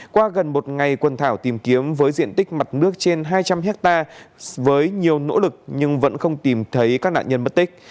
qua gần một ngày quần thảo tìm kiếm với diện tích mặt nước trên hai trăm linh hectare với nhiều nỗ lực nhưng vẫn không tìm thấy các nạn nhân mất tích